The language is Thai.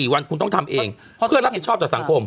๔วันคุณต้องทำเองเพื่อรับผิดชอบต่อสังคม